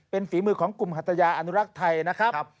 เป็นฝีมือของกลุ่มหัตยาอนุรักษ์ไทยนะครับ